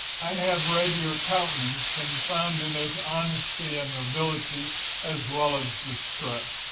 I have read your countenance, and found in it honesty and nobility as well as distress.